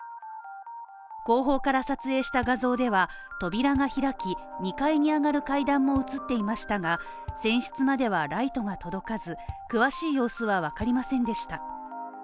後方から撮影した画像では扉が開き２階に上がる階段も映っていましたが船室まではライトが届かず、詳しい様子は分かりませんでした。